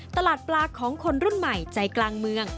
ตลาดปลาของคนรุ่นใหม่ใจกลางเมือง